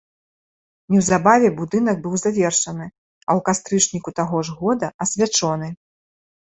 Неўзабаве будынак быў завершаны, а ў кастрычніку таго ж года асвячоны.